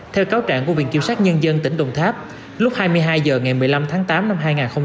theo cáo trạng của viện kiểm sát nhân dân tỉnh đồng tháp lúc hai mươi hai h ngày một mươi năm tháng tám năm hai nghìn hai mươi ba